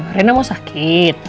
mbak rena mau sakit